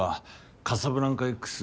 カサブランカＸ